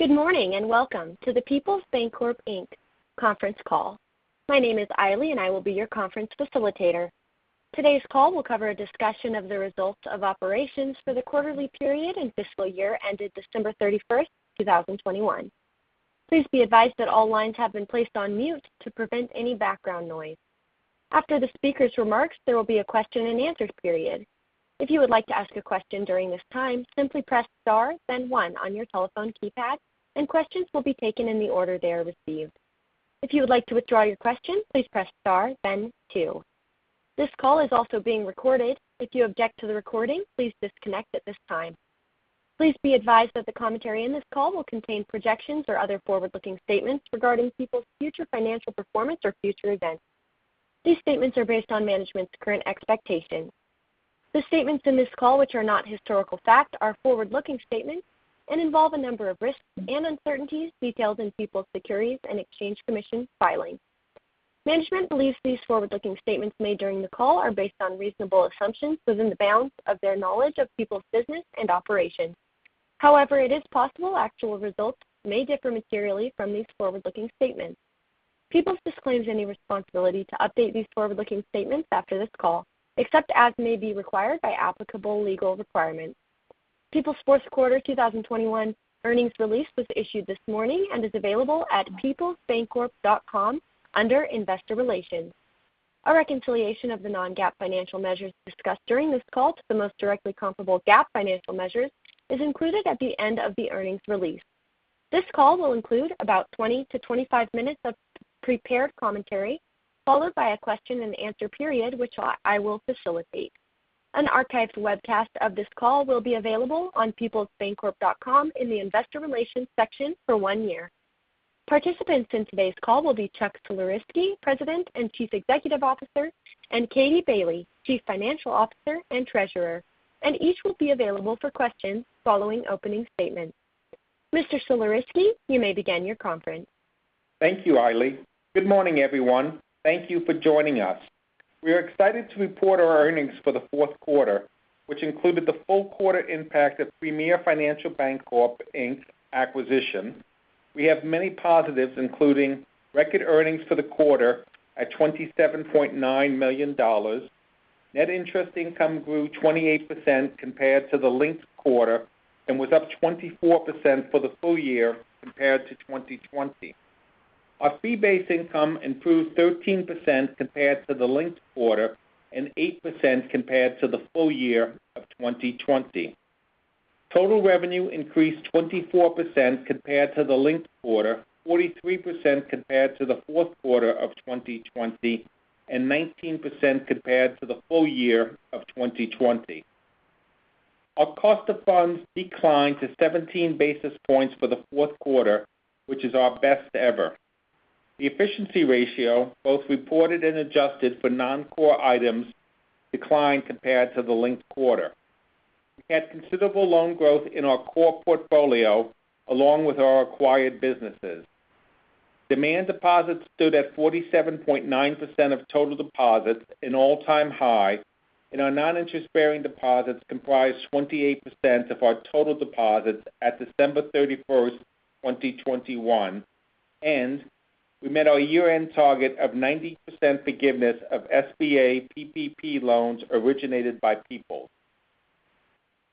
Good morning, and welcome to the Peoples Bancorp Inc. conference call. My name is Ailey, and I will be your conference facilitator. Today's call will cover a discussion of the results of operations for the quarterly period and fiscal year ended December thirty-first, two thousand twenty-one. Please be advised that all lines have been placed on mute to prevent any background noise. After the speaker's remarks, there will be a question-and-answer period. If you would like to ask a question during this time, simply press star then one on your telephone keypad, and questions will be taken in the order they are received. If you would like to withdraw your question, please press star then two. This call is also being recorded. If you object to the recording, please disconnect at this time. Please be advised that the commentary in this call will contain projections or other forward-looking statements regarding Peoples' future financial performance or future events. These statements are based on management's current expectations. The statements in this call which are not historical facts are forward-looking statements and involve a number of risks and uncertainties detailed in Peoples' Securities and Exchange Commission filing. Management believes these forward-looking statements made during the call are based on reasonable assumptions within the bounds of their knowledge of Peoples' business and operations. However, it is possible actual results may differ materially from these forward-looking statements. Peoples disclaims any responsibility to update these forward-looking statements after this call, except as may be required by applicable legal requirements. Peoples' fourth quarter 2021 earnings release was issued this morning and is available at peoplesbancorp.com under Investor Relations. A reconciliation of the non-GAAP financial measures discussed during this call to the most directly comparable GAAP financial measures is included at the end of the earnings release. This call will include about 20-25 minutes of prepared commentary, followed by a question-and-answer period, which I will facilitate. An archived webcast of this call will be available on peoplesbancorp.com in the Investor Relations section for one year. Participants in today's call will be Chuck Sulerzyski, President and Chief Executive Officer, and Kathryn Bailey, Chief Financial Officer and Treasurer, and each will be available for questions following opening statements. Mr. Sulerzyski, you may begin your conference. Thank you, Ailey. Good morning, everyone? Thank you for joining us. We are excited to report our earnings for the fourth quarter, which included the full quarter impact of Premier Financial Bancorp, Inc. acquisition. We have many positives, including record earnings for the quarter at $27.9 million. Net interest income grew 28% compared to the linked quarter and was up 24% for the full year compared to 2020. Our fee-based income improved 13% compared to the linked quarter and 8% compared to the full year of 2020. Total revenue increased 24% compared to the linked quarter, 43% compared to the fourth quarter of 2020, and 19% compared to the full year of 2020. Our cost of funds declined to 17 basis points for the fourth quarter, which is our best ever. The efficiency ratio, both reported and adjusted for non-core items, declined compared to the linked quarter. We had considerable loan growth in our core portfolio along with our acquired businesses. Demand deposits stood at 47.9% of total deposits, an all-time high, and our non-interest-bearing deposits comprised 28% of our total deposits at December 31, 2021, and we met our year-end target of 90% forgiveness of SBA PPP loans originated by Peoples.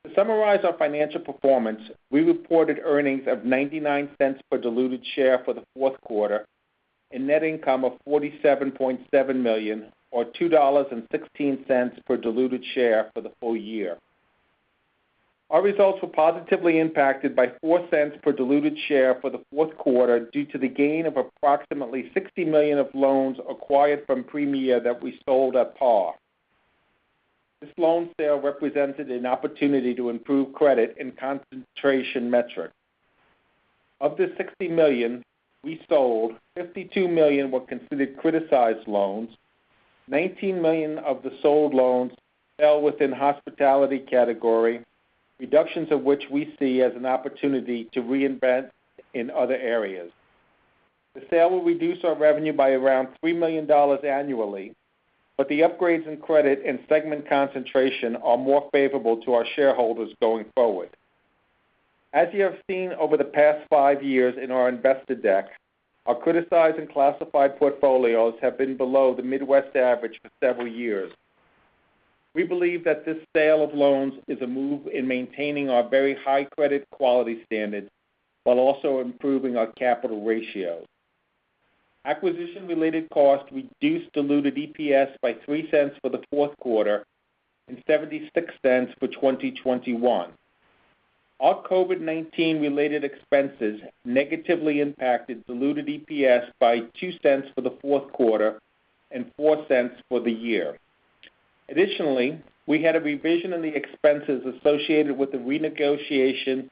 To summarize our financial performance, we reported earnings of $0.99 per diluted share for the fourth quarter and net income of $47.7 million or $2.16 per diluted share for the full year. Our results were positively impacted by $0.04 per diluted share for the fourth quarter due to the gain of approximately $60 million of loans acquired from Premier that we sold at par. This loan sale represented an opportunity to improve credit and concentration metrics. Of the $60 million we sold, $52 million were considered criticized loans. $19 million of the sold loans fell within hospitality category, reductions of which we see as an opportunity to reinvent in other areas. The sale will reduce our revenue by around $3 million annually, but the upgrades in credit and segment concentration are more favorable to our shareholders going forward. As you have seen over the past five years in our investor deck, our criticized and classified portfolios have been below the Midwest average for several years. We believe that this sale of loans is a move in maintaining our very high credit quality standards while also improving our capital ratio. Acquisition-related costs reduced diluted EPS by $0.03 for the fourth quarter and $0.76 for 2021. Our COVID-19 related expenses negatively impacted diluted EPS by $0.02 for the fourth quarter and $0.04 for the year. Additionally, we had a revision in the expenses associated with the renegotiation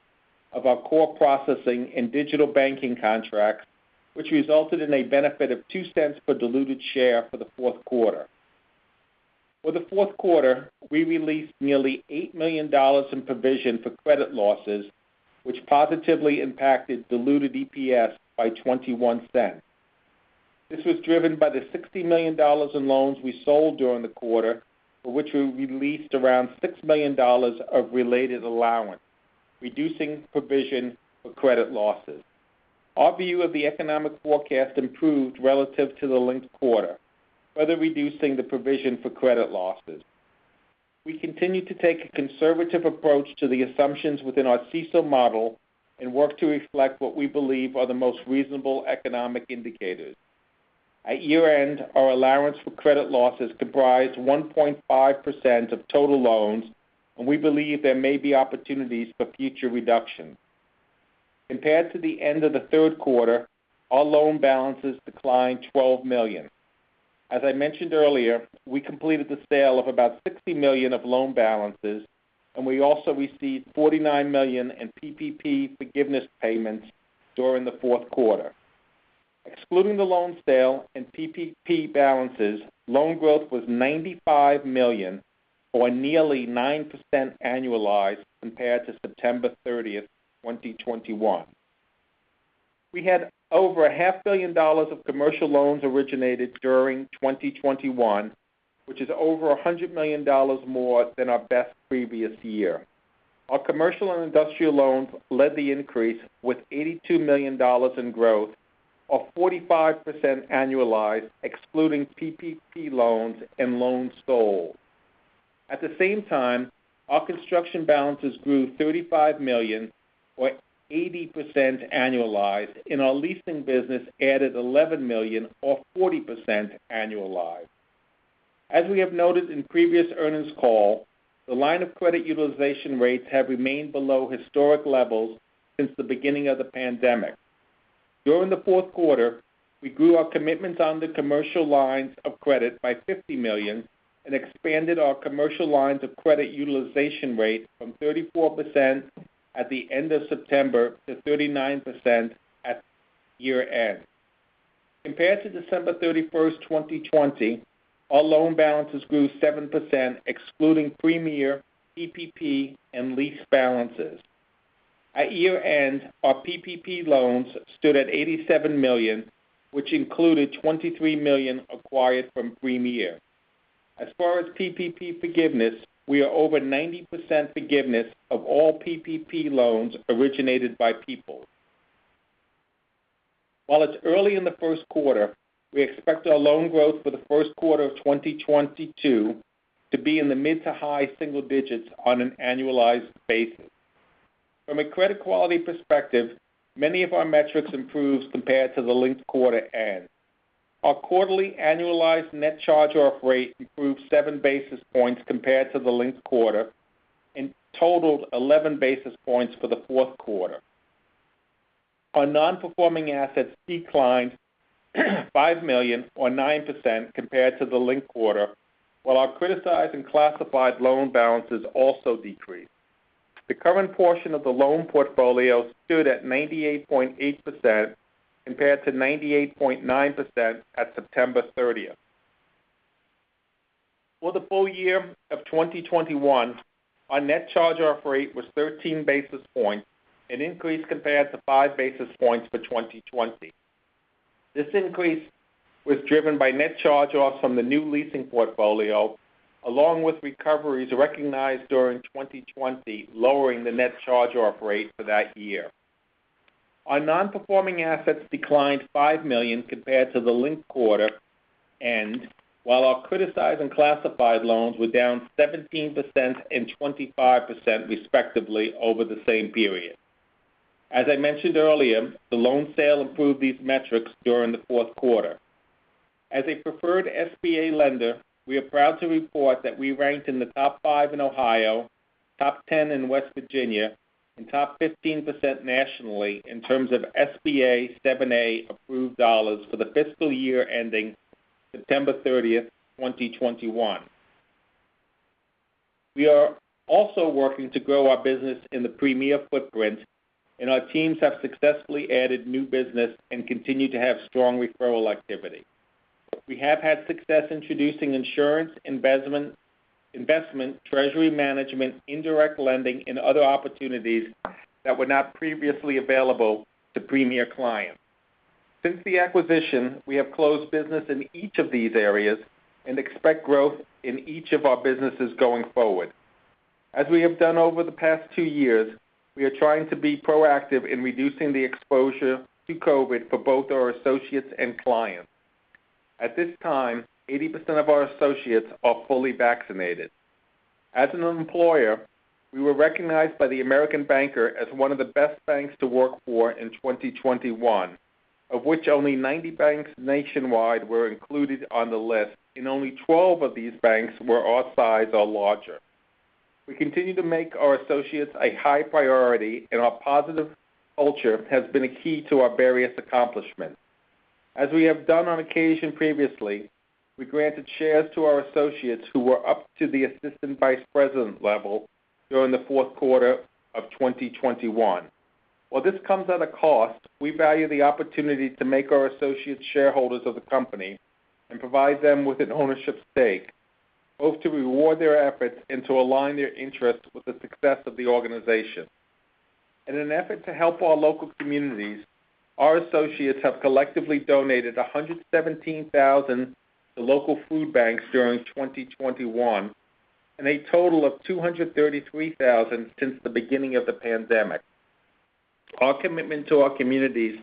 of our core processing and digital banking contracts, which resulted in a benefit of $0.02 per diluted share for the fourth quarter. For the fourth quarter, we released nearly $8 million in provision for credit losses, which positively impacted diluted EPS by $0.21. This was driven by the $60 million in loans we sold during the quarter, for which we released around $6 million of related allowance, reducing provision for credit losses. Our view of the economic forecast improved relative to the linked quarter, further reducing the provision for credit losses. We continue to take a conservative approach to the assumptions within our CECL model and work to reflect what we believe are the most reasonable economic indicators. At year-end, our allowance for credit losses comprised 1.5% of total loans, and we believe there may be opportunities for future reduction. Compared to the end of the third quarter, our loan balances declined $12 million. As I mentioned earlier, we completed the sale of about $60 million of loan balances, and we also received $49 million in PPP forgiveness payments during the fourth quarter. Excluding the loan sale and PPP balances, loan growth was $95 million, or nearly 9% annualized compared to September 30, 2021. We had over $0.5 billion of commercial loans originated during 2021, which is over $100 million more than our best previous year. Our commercial and industrial loans led the increase with $82 million in growth of 45% annualized, excluding PPP loans and loans sold. At the same time, our construction balances grew $35 million or 80% annualized, and our leasing business added $11 million or 40% annualized. As we have noted in previous earnings call, the line of credit utilization rates have remained below historic levels since the beginning of the pandemic. During the fourth quarter, we grew our commitments on the commercial lines of credit by $50 million and expanded our commercial lines of credit utilization rate from 34% at the end of September to 39% at year-end. Compared to December 31, 2020, our loan balances grew 7% excluding Premier, PPP, and lease balances. At year-end, our PPP loans stood at $87 million, which included $23 million acquired from Premier. As far as PPP forgiveness, we are over 90% forgiveness of all PPP loans originated by Peoples. While it's early in the first quarter, we expect our loan growth for the first quarter of 2022 to be in the mid- to high-single digits on an annualized basis. From a credit quality perspective, many of our metrics improved compared to the linked quarter end. Our quarterly annualized net charge-off rate improved seven basis points compared to the linked quarter and totaled 11 basis points for the fourth quarter. Our non-performing assets declined $5 million or 9% compared to the linked quarter, while our criticized and classified loan balances also decreased. The current portion of the loan portfolio stood at 98.8% compared to 98.9% at September 30. For the full year of 2021, our net charge-off rate was 13 basis points, an increase compared to five basis points for 2020. This increase was driven by net charge-offs from the new leasing portfolio, along with recoveries recognized during 2020, lowering the net charge-off rate for that year. Our non-performing assets declined $5 million compared to the linked quarter end, while our criticized and classified loans were down 17% and 25% respectively over the same period. As I mentioned earlier, the loan sale improved these metrics during the fourth quarter. As a preferred SBA lender, we are proud to report that we ranked in the top five in Ohio, top 10 in West Virginia, and top 15% nationally in terms of SBA 7(a) approved dollars for the fiscal year ending September 30, 2021. We are also working to grow our business in the Premier footprint, and our teams have successfully added new business and continue to have strong referral activity. We have had success introducing insurance, investment, treasury management, indirect lending, and other opportunities that were not previously available to Premier clients. Since the acquisition, we have closed business in each of these areas and expect growth in each of our businesses going forward. As we have done over the past two years, we are trying to be proactive in reducing the exposure to COVID for both our associates and clients. At this time, 80% of our associates are fully vaccinated. As an employer, we were recognized by the American Banker as one of the best banks to work for in 2021, of which only 90 banks nationwide were included on the list, and only 12 of these banks were our size or larger. We continue to make our associates a high priority, and our positive culture has been a key to our various accomplishments. As we have done on occasion previously, we granted shares to our associates who were up to the assistant vice president level during the fourth quarter of 2021. While this comes at a cost, we value the opportunity to make our associates shareholders of the company and provide them with an ownership stake, both to reward their efforts and to align their interests with the success of the organization. In an effort to help our local communities, our associates have collectively donated $117,000 to local food banks during 2021, and a total of $233,000 since the beginning of the pandemic. Our commitment to our communities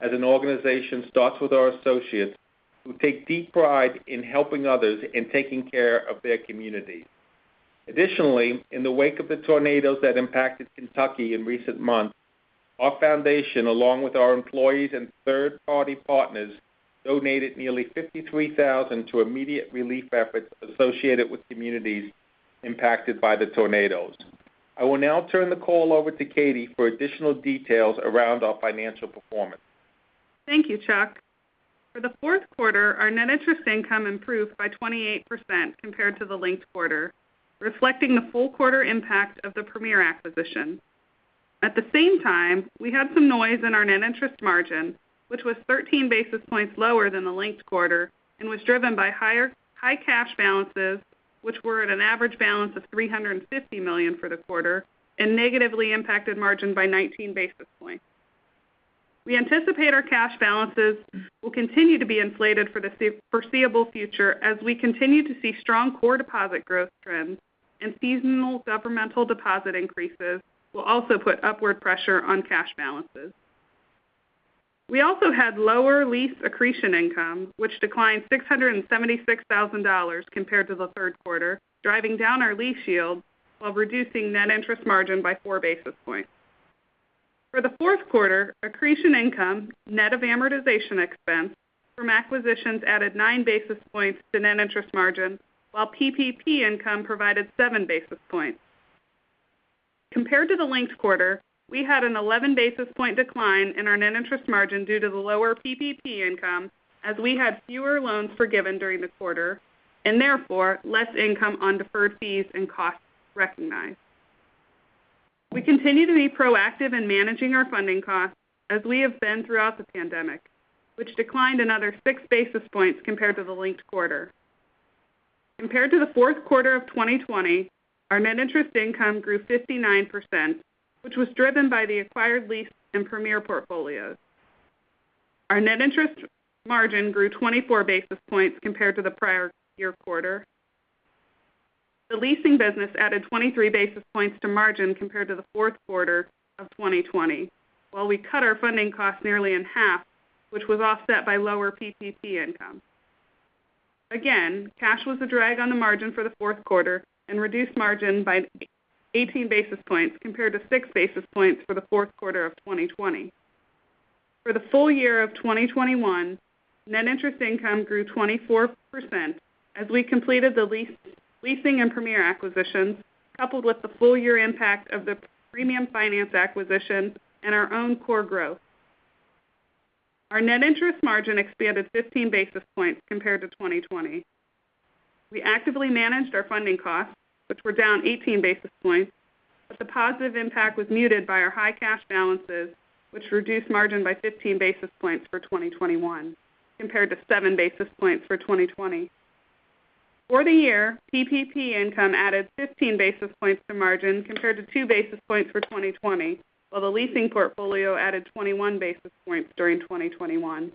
as an organization starts with our associates, who take deep pride in helping others and taking care of their community. Additionally, in the wake of the tornadoes that impacted Kentucky in recent months, our foundation, along with our employees and third-party partners, donated nearly $53,000 to immediate relief efforts associated with communities impacted by the tornadoes. I will now turn the call over to Kathryn for additional details around our financial performance. Thank you, Chuck. For the fourth quarter, our net interest income improved by 28% compared to the linked quarter, reflecting the full quarter impact of the Premier acquisition. At the same time, we had some noise in our net interest margin, which was 13 basis points lower than the linked quarter and was driven by high cash balances, which were at an average balance of $350 million for the quarter and negatively impacted margin by 19 basis points. We anticipate our cash balances will continue to be inflated for the foreseeable future as we continue to see strong core deposit growth trends and seasonal governmental deposit increases will also put upward pressure on cash balances. We also had lower lease accretion income, which declined $676,000 compared to the third quarter, driving down our lease yield while reducing net interest margin by four basis points. For the fourth quarter, accretion income, net of amortization expense from acquisitions added nine basis points to net interest margin, while PPP income provided seven basis points. Compared to the linked quarter, we had an 11 basis point decline in our net interest margin due to the lower PPP income, as we had fewer loans forgiven during the quarter and therefore less income on deferred fees and costs recognized. We continue to be proactive in managing our funding costs as we have been throughout the pandemic, which declined another six basis points compared to the linked quarter. Compared to the fourth quarter of 2020, our net interest income grew 59%, which was driven by the acquired lease and Premier portfolios. Our net interest margin grew 24 basis points compared to the prior year quarter. The leasing business added 23 basis points to margin compared to the fourth quarter of 2020, while we cut our funding costs nearly in half, which was offset by lower PPP income. Again, cash was a drag on the margin for the fourth quarter and reduced margin by 18 basis points compared to six basis points for the fourth quarter of 2020. For the full year of 2021, net interest income grew 24% as we completed the leasing and Premier acquisitions, coupled with the full year impact of the Premium Finance acquisition and our own core growth. Our net interest margin expanded 15 basis points compared to 2020. We actively managed our funding costs, which were down 18 basis points, but the positive impact was muted by our high cash balances, which reduced margin by 15 basis points for 2021 compared to seven basis points for 2020. For the year, PPP income added 15 basis points to margin compared to two basis points for 2020, while the leasing portfolio added 21 basis points during 2021.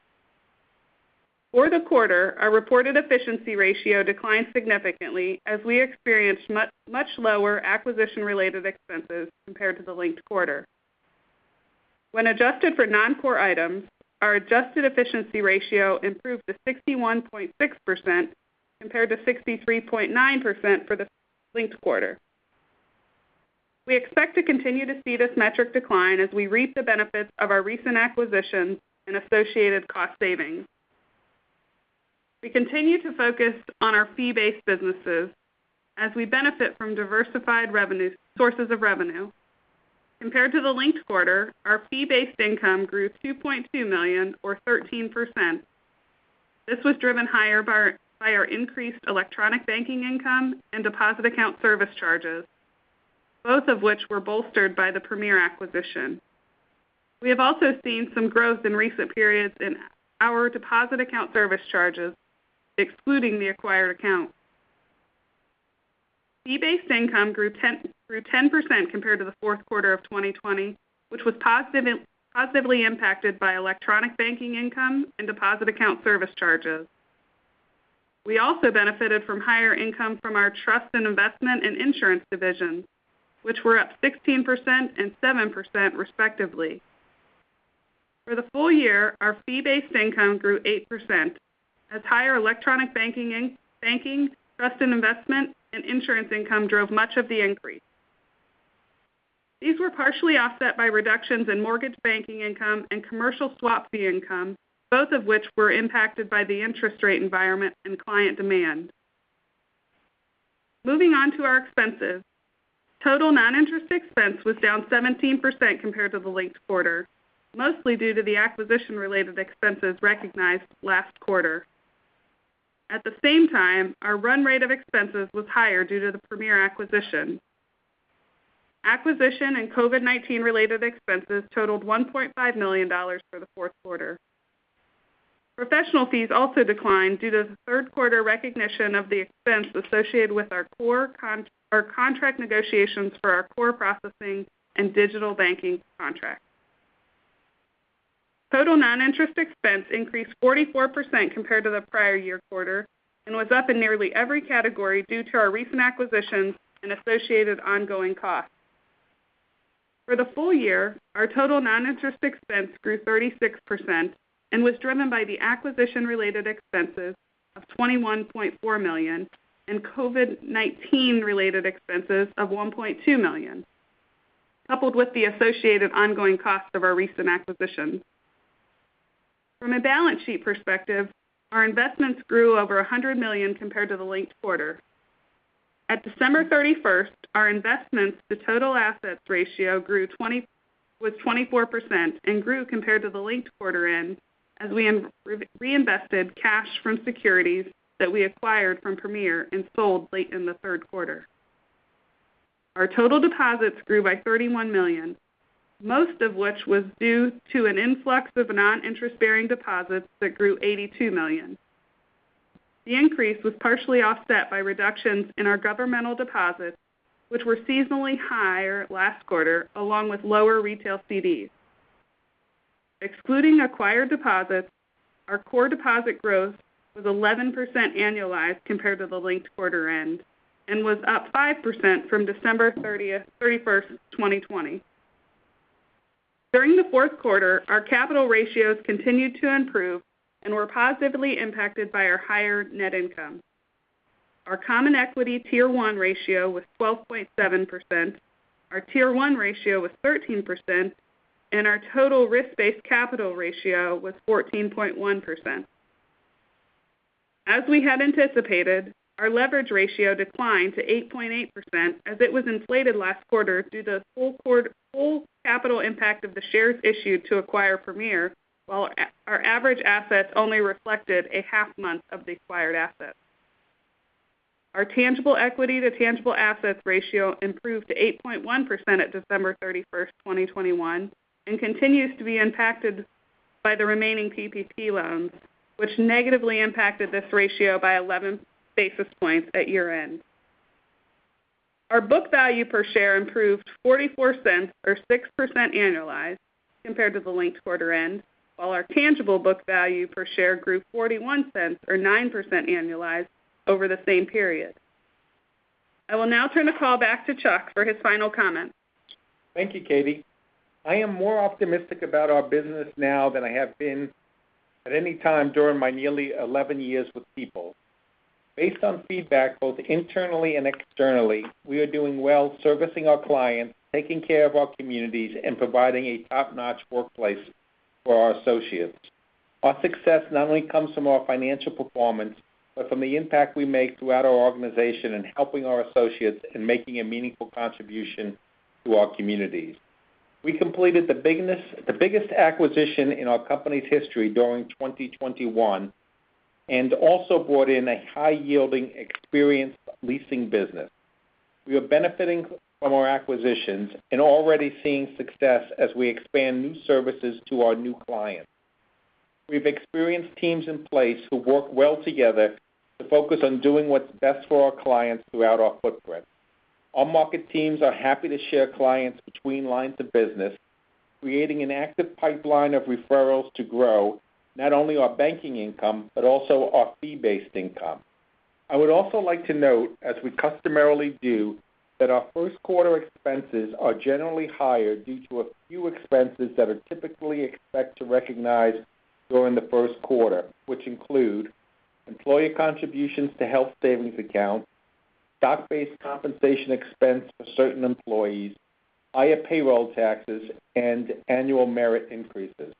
For the quarter, our reported efficiency ratio declined significantly as we experienced much lower acquisition-related expenses compared to the linked quarter. When adjusted for non-core items, our adjusted efficiency ratio improved to 61.6% compared to 63.9% for the linked quarter. We expect to continue to see this metric decline as we reap the benefits of our recent acquisitions and associated cost savings. We continue to focus on our fee-based businesses as we benefit from diversified revenue sources of revenue. Compared to the linked quarter, our fee-based income grew $2.2 million or 13%. This was driven higher by our increased electronic banking income and deposit account service charges, both of which were bolstered by the Premier acquisition. We have also seen some growth in recent periods in our deposit account service charges, excluding the acquired accounts. Fee-based income grew 10% compared to the fourth quarter of 2020, which was positively impacted by electronic banking income and deposit account service charges. We also benefited from higher income from our trust and investment and insurance divisions, which were up 16% and 7% respectively. For the full year, our fee-based income grew 8% as higher electronic banking, trust and investment, and insurance income drove much of the increase. These were partially offset by reductions in mortgage banking income and commercial swap fee income, both of which were impacted by the interest rate environment and client demand. Moving on to our expenses. Total non-interest expense was down 17% compared to the linked quarter, mostly due to the acquisition related expenses recognized last quarter. At the same time, our run rate of expenses was higher due to the Premier acquisition. Acquisition- and COVID-19-related expenses totaled $1.5 million for the fourth quarter. Professional fees also declined due to the third quarter recognition of the expense associated with our contract negotiations for our core processing and digital banking contract. Total non-interest expense increased 44% compared to the prior year quarter and was up in nearly every category due to our recent acquisitions and associated ongoing costs. For the full year, our total non-interest expense grew 36% and was driven by the acquisition-related expenses of $21.4 million and COVID-19-related expenses of $1.2 million, coupled with the associated ongoing cost of our recent acquisitions. From a balance sheet perspective, our investments grew over $100 million compared to the linked quarter. At December 31, our investments to total assets ratio was 24% and grew compared to the linked quarter end as we reinvested cash from securities that we acquired from Premier and sold late in the third quarter. Our total deposits grew by $31 million, most of which was due to an influx of non-interest-bearing deposits that grew $82 million. The increase was partially offset by reductions in our governmental deposits, which were seasonally higher last quarter, along with lower retail CDs. Excluding acquired deposits, our core deposit growth was 11% annualized compared to the linked quarter end and was up 5% from December 31, 2020. During the fourth quarter, our capital ratios continued to improve and were positively impacted by our higher net income. Our common equity Tier 1 ratio was 12.7%, our Tier 1 ratio was 13%, and our total risk-based capital ratio was 14.1%. As we had anticipated, our leverage ratio declined to 8.8% as it was inflated last quarter due to the full capital impact of the shares issued to acquire Premier, while our average assets only reflected a half month of the acquired assets. Our tangible equity to tangible assets ratio improved to 8.1% at December 31, 2021, and continues to be impacted by the remaining PPP loans, which negatively impacted this ratio by 11 basis points at year-end. Our book value per share improved $0.44 or 6% annualized compared to the linked quarter end, while our tangible book value per share grew $0.41 or 9% annualized over the same period. I will now turn the call back to Chuck for his final comments. Thank you, Kathryn. I am more optimistic about our business now than I have been at any time during my nearly 11 years with Peoples. Based on feedback both internally and externally, we are doing well servicing our clients, taking care of our communities, and providing a top-notch workplace for our associates. Our success not only comes from our financial performance, but from the impact we make throughout our organization in helping our associates in making a meaningful contribution to our communities. We completed the biggest acquisition in our company's history during 2021 and also brought in a high-yielding experienced leasing business. We are benefiting from our acquisitions and already seeing success as we expand new services to our new clients. We've experienced teams in place who work well together to focus on doing what's best for our clients throughout our footprint. Our market teams are happy to share clients between lines of business, creating an active pipeline of referrals to grow not only our banking income, but also our fee-based income. I would also like to note, as we customarily do, that our first quarter expenses are generally higher due to a few expenses that are typically expected to be recognized during the first quarter, which include employee contributions to health savings accounts, stock-based compensation expense for certain employees, higher payroll taxes, and annual merit increases.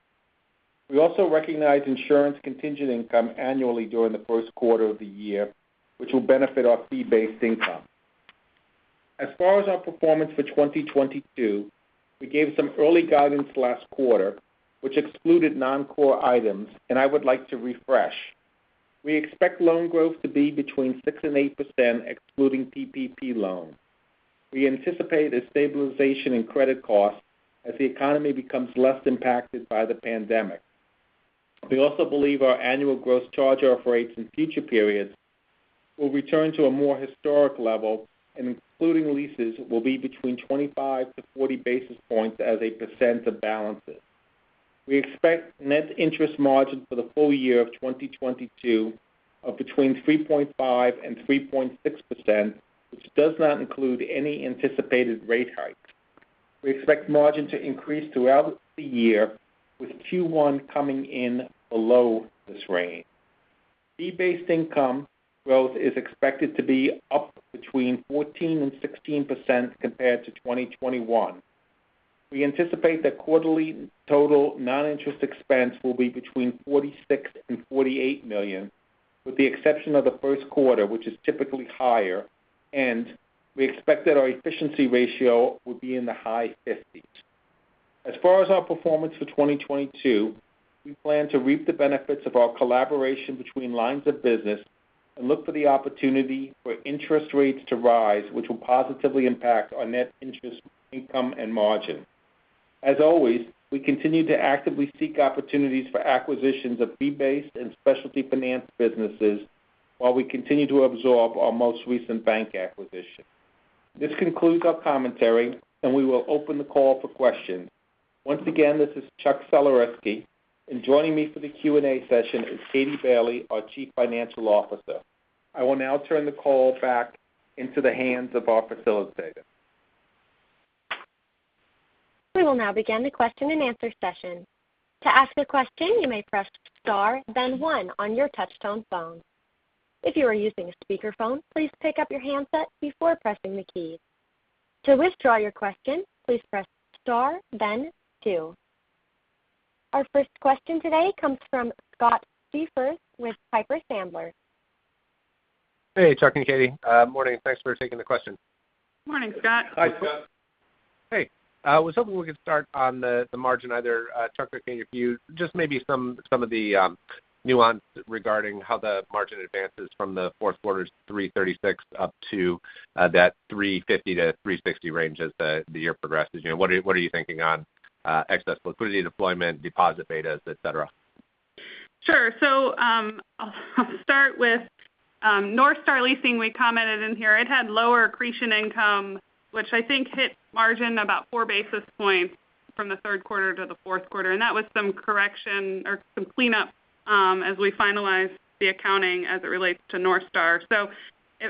We also recognize insurance contingent income annually during the first quarter of the year, which will benefit our fee-based income. As far as our performance for 2022, we gave some early guidance last quarter, which excluded non-core items, and I would like to refresh. We expect loan growth to be between 6% and 8% excluding PPP loans. We anticipate a stabilization in credit costs as the economy becomes less impacted by the pandemic. We also believe our annual gross charge-off rates in future periods will return to a more historic level, and including leases, will be between 25-40 basis points as a percent of balances. We expect net interest margin for the full year of 2022 of between 3.5%-3.6%, which does not include any anticipated rate hikes. We expect margin to increase throughout the year, with Q1 coming in below this range. Fee-based income growth is expected to be up between 14%-16% compared to 2021. We anticipate that quarterly total non-interest expense will be between $46 million-$48 million, with the exception of the first quarter, which is typically higher, and we expect that our efficiency ratio will be in the high 50s%. As far as our performance for 2022, we plan to reap the benefits of our collaboration between lines of business and look for the opportunity for interest rates to rise, which will positively impact our net interest income and margin. As always, we continue to actively seek opportunities for acquisitions of fee-based and specialty finance businesses while we continue to absorb our most recent bank acquisition. This concludes our commentary, and we will open the call for questions. Once again, this is Chuck Sulerzyski, and joining me for the Q&A session is Kathryn Bailey, our Chief Financial Officer. I will now turn the call back into the hands of our facilitator. We will now begin the question-and-answer session. To ask a question, you may press star then one on your touch-tone phone. If you are using a speakerphone, please pick up your handset before pressing the key. To withdraw your question, please press star then two. Our first question today comes from Scott Siefers with Piper Sandler. Hey, Chuck and Kathryn. Morning? Thanks for taking the question. Morning, Scott. Hi, Scott. Hey. I was hoping we could start on the margin, either Chuck or Katie, if you just maybe some of the nuance regarding how the margin advances from the fourth quarter's 3.36% up to that 3.50%-3.60% range as the year progresses. You know, what are you thinking on excess liquidity deployment, deposit betas, et cetera? Sure. I'll start with North Star Leasing. We commented in here. It had lower accretion income, which I think hit margin about four basis points from the third quarter to the fourth quarter. That was some correction or some cleanup as we finalized the accounting as it relates to North Star.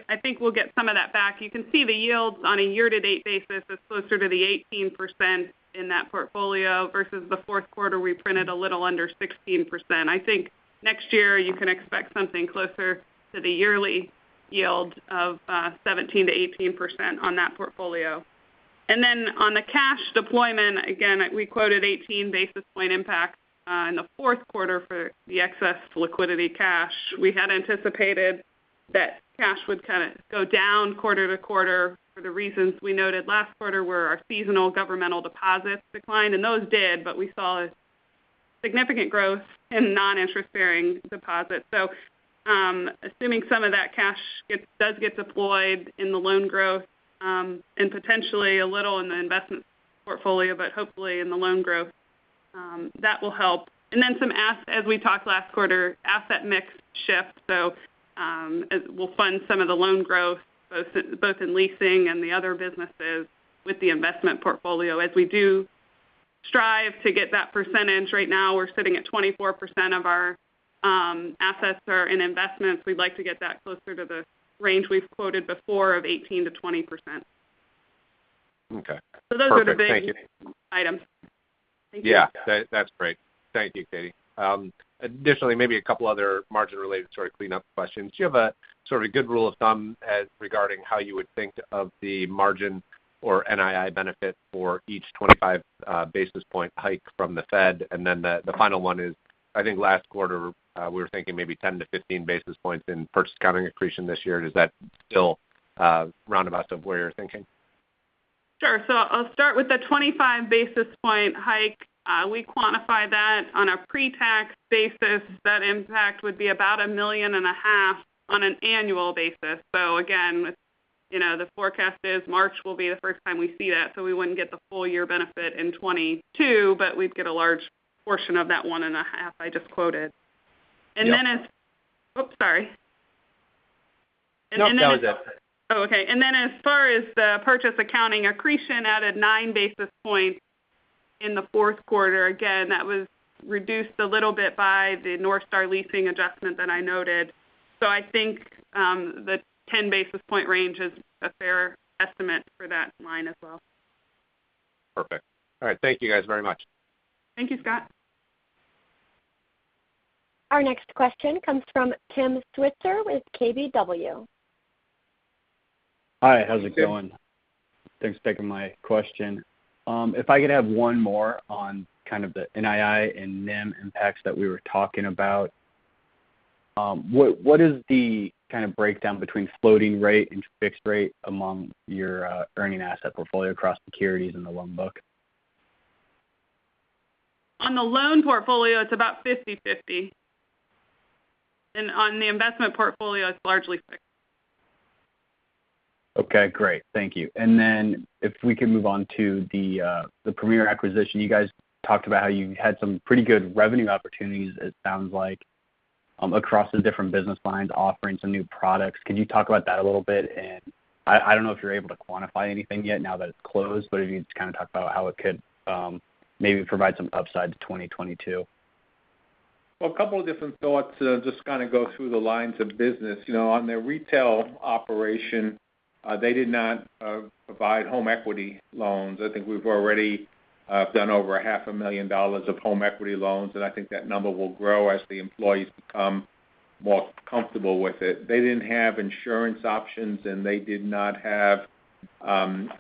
I think we'll get some of that back. You can see the yields on a year-to-date basis is closer to the 18% in that portfolio versus the fourth quarter. We printed a little under 16%. I think next year you can expect something closer to the yearly yield of 17%-18% on that portfolio. Then on the cash deployment, again, we quoted 18 basis point impact in the fourth quarter for the excess liquidity cash. We had anticipated that cash would kind of go down quarter to quarter for the reasons we noted last quarter, where our seasonal governmental deposits declined. Those did, but we saw a significant growth in non-interest-bearing deposits. Assuming some of that cash does get deployed in the loan growth, and potentially a little in the investment portfolio, but hopefully in the loan growth, that will help, and then some, as we talked last quarter, asset mix shift. We'll fund some of the loan growth both in leasing and the other businesses with the investment portfolio as we do strive to get that percentage. Right now, we're sitting at 24% of our assets are in investments. We'd like to get that closer to the range we've quoted before of 18%-20%. Okay. Those are the big Perfect. Thank you. Thank you. Yeah. That's great. Thank you, Kathryn. Additionally, maybe a couple other margin-related sort of cleanup questions. Do you have a sort of good rule of thumb as regarding how you would think of the margin or NII benefit for each 25 basis point hike from the Fed? And then the final one is, I think last quarter, we were thinking maybe 10-15 basis points in purchase accounting accretion this year. Is that still roundabout of where you're thinking? Sure. I'll start with the 25 basis point hike. We quantify that on a pre-tax basis. That impact would be about $1.5 million on an annual basis. Again, you know, the forecast is March will be the first time we see that, so we wouldn't get the full year benefit in 2022, but we'd get a large portion of that 1.5 I just quoted. Yeah. Oops, sorry. Nope, that was it. Oh, okay. Then as far as the purchase accounting accretion, added nine basis points in the fourth quarter. Again, that was reduced a little bit by the North Star Leasing adjustment that I noted. I think the 10 basis point range is a fair estimate for that line as well. Perfect. All right. Thank you guys very much. Thank you, Scott. Our next question comes from Tim Switzer with KBW. Hi. How's it going? Hey, Tim. Thanks for taking my question. If I could have one more on kind of the NII and NIM impacts that we were talking about. What is the kind of breakdown between floating rate and fixed rate among your earning asset portfolio across securities in the loan book? On the loan portfolio, it's about 50/50. On the investment portfolio, it's largely fixed. Okay, great. Thank you. If we could move on to the Premier acquisition. You guys talked about how you had some pretty good revenue opportunities, it sounds like, across the different business lines, offering some new products. Could you talk about that a little bit? I don't know if you're able to quantify anything yet now that it's closed, but if you could just kind of talk about how it could, maybe provide some upside to 2022. Well, a couple of different thoughts, just kind of go through the lines of business. You know, on their retail operation, they did not provide home equity loans. I think we've already done over half a million dollars of home equity loans, and I think that number will grow as the employees become more comfortable with it. They didn't have insurance options, and they did not have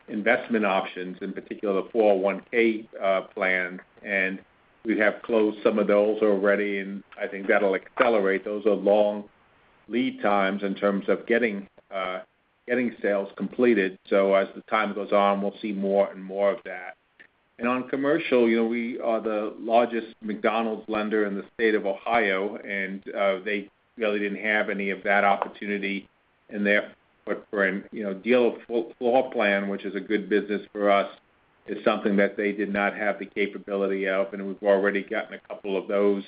investment options, in particular, the 401(k) plan. We have closed some of those already, and I think that'll accelerate. Those are long lead times in terms of getting sales completed. As the time goes on, we'll see more and more of that. On commercial, you know, we are the largest McDonald's lender in the state of Ohio, and they really didn't have any of that opportunity. Therefore for a, you know, dealer floor plan, which is a good business for us, is something that they did not have the capability of, and we've already gotten a couple of those,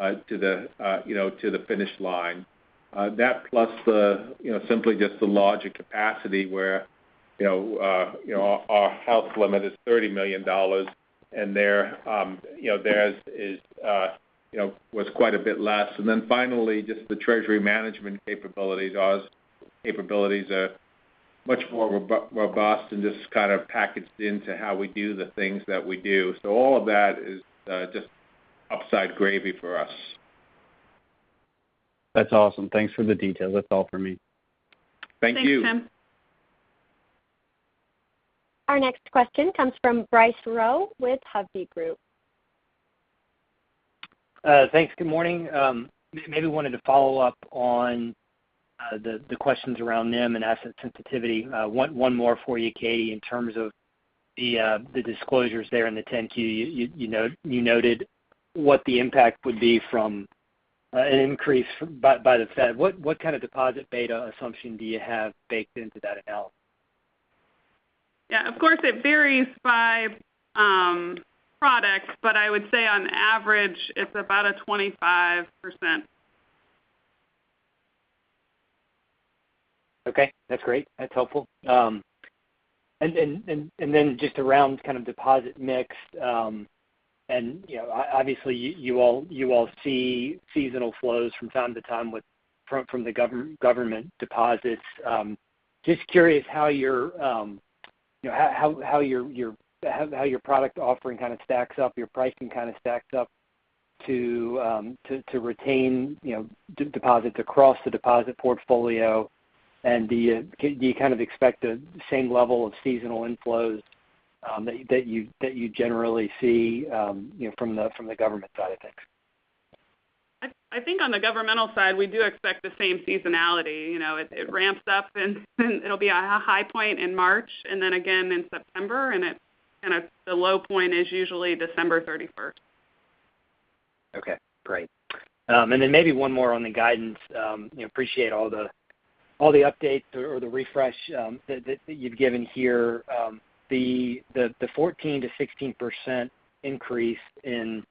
to the, you know, to the finish line. That plus the, you know, simply just the lending capacity where, you know, our house limit is $30 million and their, you know, theirs is, you know, was quite a bit less. Finally, just the treasury management capabilities. Our capabilities are much more robust and just kind of packaged into how we do the things that we do. All of that is, just upside gravy for us. That's awesome. Thanks for the details. That's all for me. Thank you. Thanks, Tim. Our next question comes from Bryce Rowe with Hovde Group. Thanks. Good morning? I maybe wanted to follow up on the questions around NIM and asset sensitivity. One more for you, Katie, in terms of the disclosures there in the 10-Q. You noted what the impact would be from an increase by the Fed. What kind of deposit beta assumption do you have baked into that model? Yeah, of course, it varies by products. I would say on average, it's about a 25%. Okay, that's great. That's helpful. Just around kind of deposit mix and you know obviously you all see seasonal flows from time to time from the government deposits. Just curious how your product offering kind of stacks up, your pricing kind of stacks up to retain you know deposits across the deposit portfolio. Do you kind of expect the same level of seasonal inflows that you generally see you know from the government side of things? I think on the governmental side, we do expect the same seasonality. You know, it ramps up and it'll be a high point in March and then again in September, and kind of the low point is usually December thirty-first. Okay, great. Maybe one more on the guidance. You know, appreciate all the updates or the refresh that you've given here. The 14%-16% increase in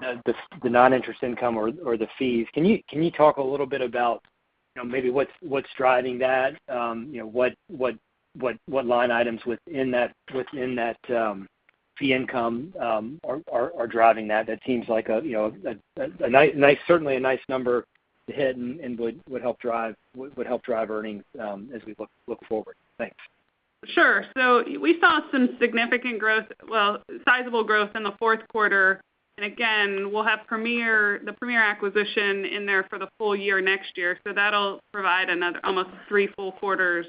the non-interest income or the fees. Can you talk a little bit about, you know, maybe what's driving that? You know, what line items within that, fee income, are driving that? That seems like, you know, certainly a nice number to hit and would help drive earnings as we look forward. Thanks. Sure. We saw some significant growth, well, sizable growth in the fourth quarter. Again, we'll have Premier, the Premier acquisition in there for the full year next year. That'll provide another almost three full quarters,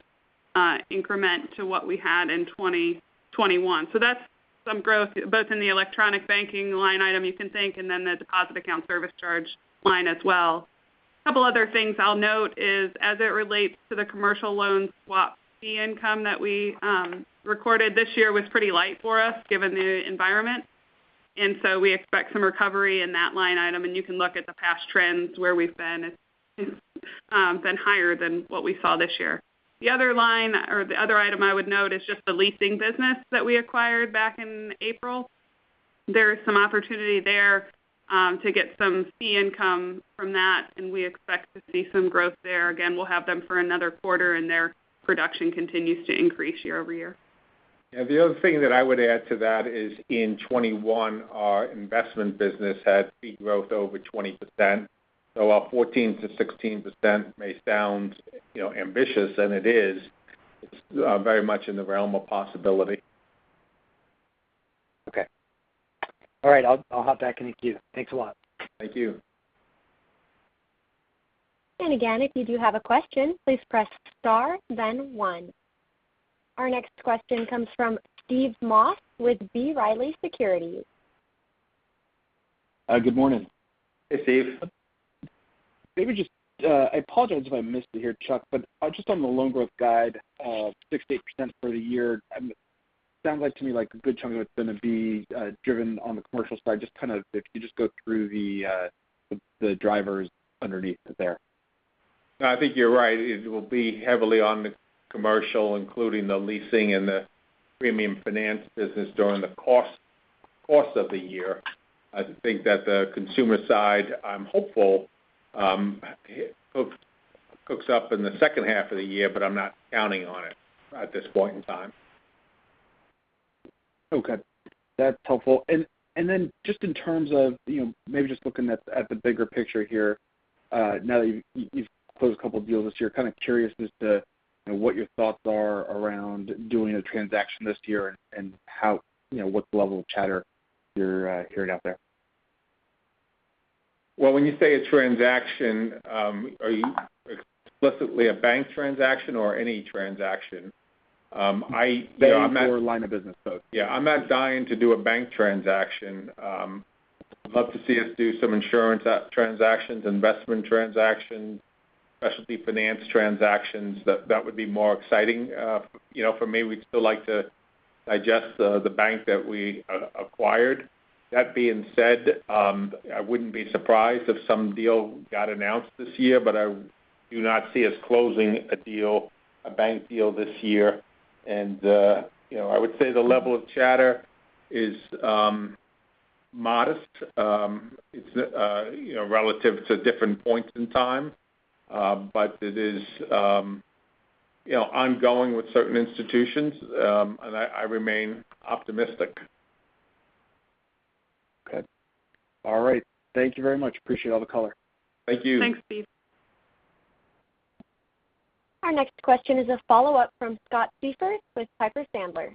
increment to what we had in 2021. That's some growth both in the electronic banking line item you can see, and then the deposit account service charge line as well. Couple other things I'll note is as it relates to the commercial loan swap fee income that we recorded this year was pretty light for us given the environment. We expect some recovery in that line item. You can look at the past trends where we've been. It's been higher than what we saw this year. The other line or the other item I would note is just the leasing business that we acquired back in April. There is some opportunity there, to get some fee income from that, and we expect to see some growth there. Again, we'll have them for another quarter, and their production continues to increase year-over-year. Yeah. The other thing that I would add to that is in 2021, our investment business had fee growth over 20%. While 14%-16% may sound, you know, ambitious, and it is, it's very much in the realm of possibility. Okay. All right. I'll hop back in the queue. Thanks a lot. Thank you. Again, if you do have a question, please press star then one. Our next question comes from Steve Moss with B. Riley Securities. Good morning? Hey, Steve. Maybe just, I apologize if I missed it here, Chuck, but just on the loan growth guide of 6%-8% for the year, it sounds like to me like a good chunk of it's gonna be driven on the commercial side. Just kind of if you just go through the drivers underneath there. I think you're right. It will be heavily on the commercial, including the leasing and the premium finance business during the course of the year. I think that the consumer side, I'm hopeful, cooks up in the second half of the year, but I'm not counting on it at this point in time. Okay. That's helpful. Just in terms of, you know, maybe just looking at the bigger picture here, now that you've closed a couple deals this year, kind of curious as to, you know, what your thoughts are around doing a transaction this year and how, you know, what level of chatter you're hearing out there. Well, when you say a transaction, are you explicitly a bank transaction or any transaction? I, you know, I'm not- Bank or line of business, both. Yeah. I'm not dying to do a bank transaction. I'd love to see us do some insurance transactions, investment transactions, specialty finance transactions. That would be more exciting. You know, for me, we'd still like to digest the bank that we acquired. That being said, I wouldn't be surprised if some deal got announced this year, but I do not see us closing a deal, a bank deal this year. You know, I would say the level of chatter is modest. It's you know, relative to different points in time. But it is you know, ongoing with certain institutions. I remain optimistic. Okay. All right. Thank you very much. Appreciate all the color. Thank you. Thanks, Steve. Our next question is a follow-up from Scott Siefers with Piper Sandler.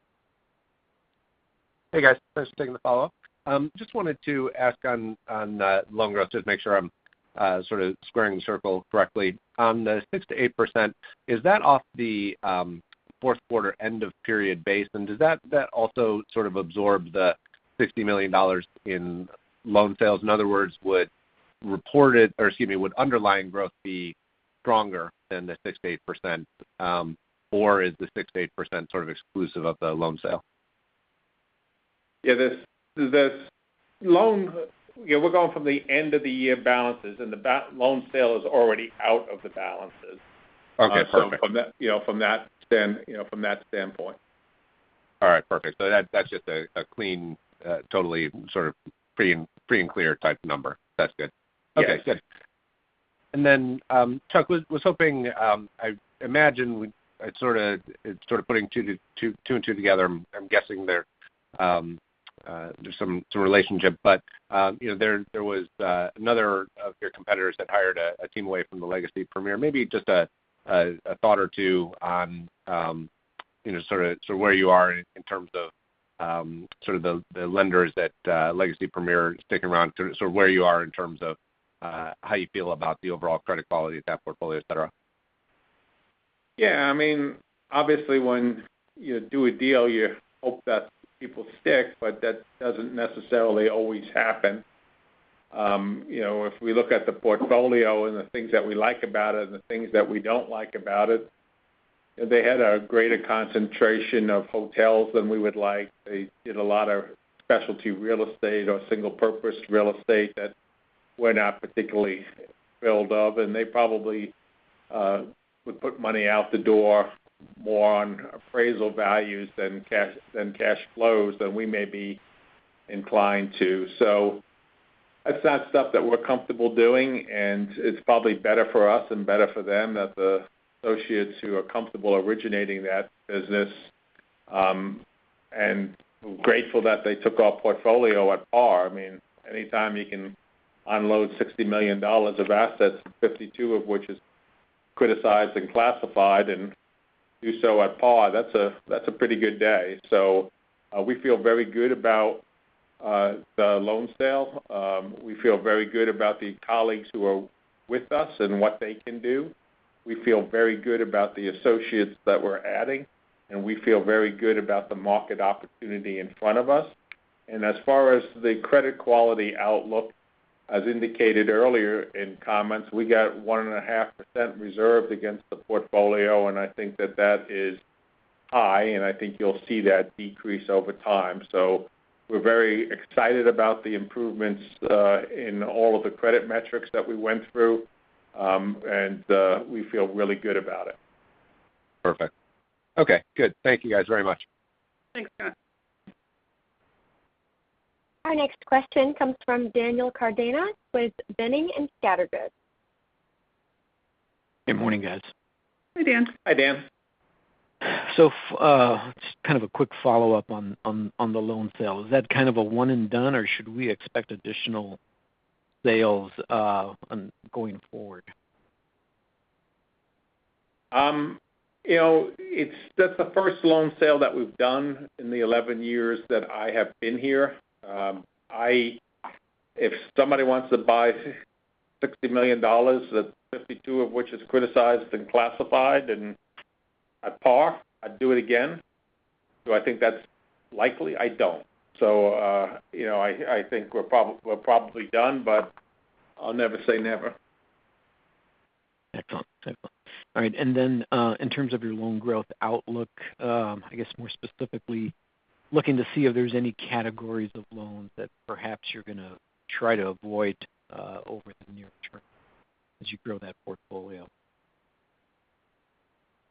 Hey guys, thanks for taking the follow-up. Just wanted to ask on loan growth just to make sure I'm sort of squaring the circle correctly. On the 6%-8%, is that off the fourth quarter end of period base? Does that also sort of absorb the $60 million in loan sales? In other words, would reported or excuse me, would underlying growth be stronger than the 6%-8%, or is the 6%-8% sort of exclusive of the loan sale? Yeah, this loan, yeah, we're going from the end of the year balances and the loan sale is already out of the balances. Okay, perfect. You know, from that standpoint. All right, perfect. That, that's just a clean, totally sort of free and clear type number. That's good. Yes. Okay, good. Chuck was hoping, I imagine it's sorta putting two and two together. I'm guessing there's some relationship. You know, there was another of your competitors that hired a team away from the Legacy Premier. Maybe just a thought or two on, you know, sort of where you are in terms of sort of the lenders that Legacy Premier is sticking around to sort of where you are in terms of how you feel about the overall credit quality of that portfolio, et cetera. Yeah, I mean, obviously when you do a deal, you hope that people stick, but that doesn't necessarily always happen. You know, if we look at the portfolio and the things that we like about it and the things that we don't like about it, they had a greater concentration of hotels than we would like. They did a lot of specialty real estate or single purpose real estate that we're not particularly thrilled of. They probably would put money out the door more on appraisal values than cash flows than we may be inclined to. That's not stuff that we're comfortable doing, and it's probably better for us and better for them that the associates who are comfortable originating that business, and grateful that they took our portfolio at par. I mean, anytime you can unload $60 million of assets, $52 million of which is criticized and classified, and do so at par, that's a pretty good day. We feel very good about the loan sale. We feel very good about the colleagues who are with us and what they can do. We feel very good about the associates that we're adding, and we feel very good about the market opportunity in front of us. As far as the credit quality outlook, as indicated earlier in comments, we got 1.5% reserved against the portfolio, and I think that is high, and I think you'll see that decrease over time. We're very excited about the improvements in all of the credit metrics that we went through, and we feel really good about it. Perfect. Okay, good. Thank you guys very much. Thanks, Scott. Our next question comes from Dan Cardenas with Boenning & Scattergood. Good morning, guys? Hey, Dan. Hi, Dan. Just kind of a quick follow-up on the loan sale. Is that kind of a one and done, or should we expect additional sales going forward? You know, it's just the first loan sale that we've done in the 11 years that I have been here. If somebody wants to buy $60 million, $52 million of which is criticized and classified and at par, I'd do it again. Do I think that's likely? I don't. You know, I think we're probably done, but I'll never say never. Excellent. All right. In terms of your loan growth outlook, I guess more specifically looking to see if there's any categories of loans that perhaps you're gonna try to avoid, over the near term as you grow that portfolio?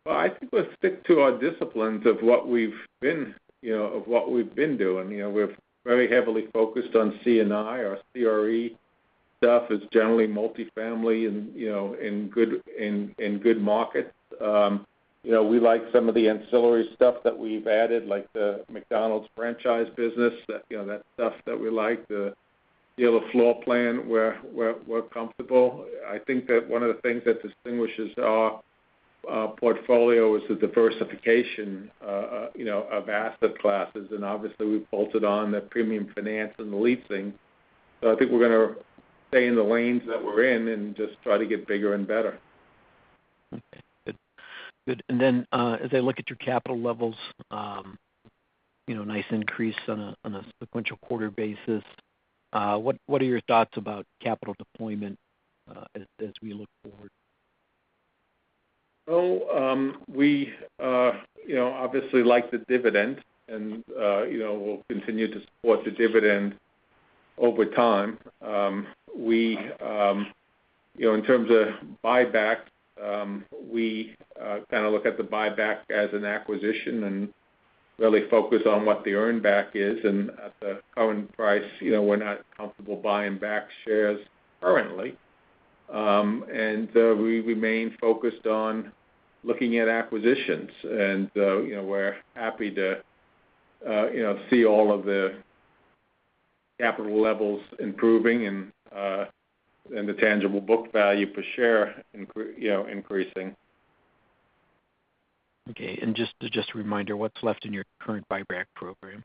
Well, I think we'll stick to our disciplines of what we've been, you know, of what we've been doing. You know, we're very heavily focused on C&I. Our CRE stuff is generally multifamily and, you know, in good markets. You know, we like some of the ancillary stuff that we've added, like the McDonald's franchise business. That stuff that we like, the floor plan, we're comfortable. I think that one of the things that distinguishes our portfolio is the diversification, you know, of asset classes, and obviously we've bolted on the premium finance and the leasing. I think we're gonna stay in the lanes that we're in and just try to get bigger and better. Okay. Good. Good. As I look at your capital levels, you know, nice increase on a sequential quarter basis. What are your thoughts about capital deployment, as we look forward? We, you know, obviously like the dividend and, you know, we'll continue to support the dividend over time. We, you know, in terms of buyback, we kind of look at the buyback as an acquisition and really focus on what the earn back is. At the current price, you know, we're not comfortable buying back shares currently. We remain focused on looking at acquisitions and, you know, we're happy to, you know, see all of the capital levels improving and the tangible book value per share increasing. Okay. Just a reminder, what's left in your current buyback program?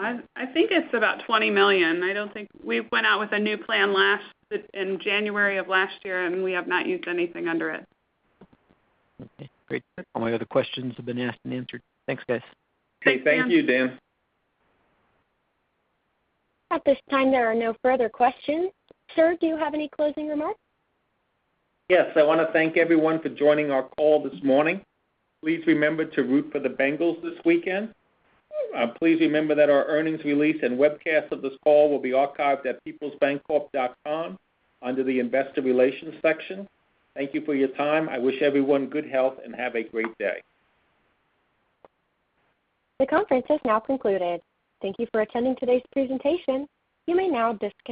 I think it's about $20 million. I don't think we went out with a new plan last in January of last year. We have not used anything under it. Okay, great. All my other questions have been asked and answered. Thanks, guys. Okay. Thank you, Dan. Thanks, Dan. At this time, there are no further questions. Sir, do you have any closing remarks? Yes. I wanna thank everyone for joining our call this morning. Please remember to root for the Bengals this weekend. Please remember that our earnings release and webcast of this call will be archived at peoplesbancorp.com under the Investor Relations section. Thank you for your time. I wish everyone good health and have a great day. The conference has now concluded. Thank you for attending today's presentation, you may now disconnect.